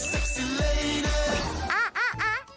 เอ๊เอ๊เซ็กซี่เลทเตอร์